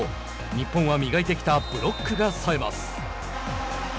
日本は磨いてきたブロックがさえます。